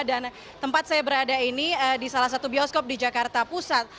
dan tempat saya berada ini di salah satu bioskop di jakarta pusat